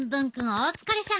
お疲れさん！